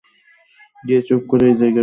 গিয়ে চুপ করে এক জায়গায় বসুন না?